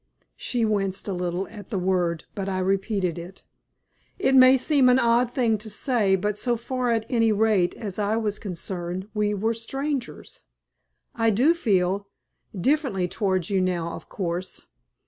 She winced a little at the word, but I repeated it. "It may seem an odd thing to say, but so far at any rate as I was concerned, we were strangers. I do feel differently towards you now of course.